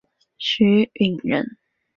许允人。